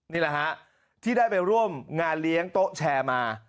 นี่แหละฮะที่ได้ไปร่วมงานเลี้ยงโต๊ะแชร์มา